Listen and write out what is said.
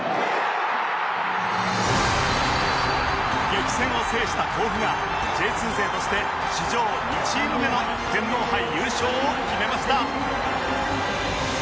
激戦を制した甲府が Ｊ２ 勢として史上２チーム目の天皇杯優勝を決めました